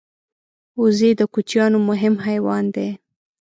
وزې د کوچیانو مهم حیوان دی